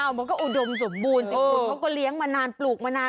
อ้าวเมื่อก็อุดมสมบูรณ์จริงเพราะเค้าเลี้ยงมานานปลูกมานาน